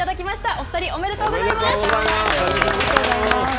お二人、おめでとうございます。